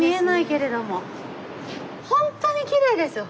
本当にきれいですよ。